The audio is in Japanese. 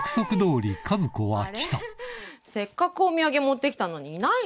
せっかくお土産持って来たのにいないの？